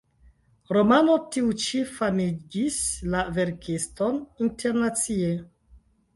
Romano tiu ĉi famigis la verkiston internacie.